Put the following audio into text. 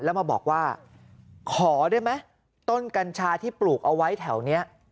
แล้วมาบอกว่าขอได้ไหมต้นกัญชาที่ปลูกเอาไว้แถวนี้